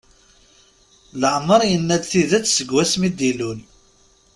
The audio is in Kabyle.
Leɛmeṛ yenna-d tidet seg wasmi d-ilul.